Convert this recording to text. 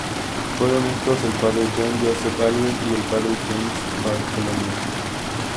Fueron estos el padre John Joseph Albert y el padre James Bartholomew.